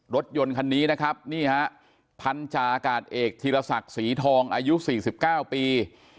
รถยนต์คันนี้นะครับนี่ฮะพันธาอากาศเอกธีรศักดิ์ศรีทองอายุ๔๙ปี